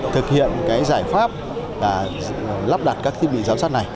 thực hiện giải pháp lắp đặt các thiết bị giám sát này